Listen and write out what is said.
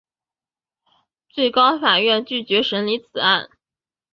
最高法院拒绝审理此案。